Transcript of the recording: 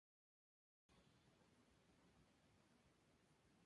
Al parecer, no sabía que con ello estaba revelando su ubicación.